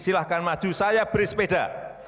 silahkan maju saya beri sepeda